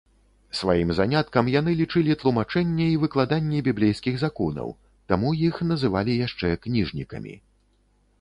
Сваім заняткам яны лічылі тлумачэнне і выкладанне біблейскіх законаў, таму іх называлі яшчэ кніжнікамі.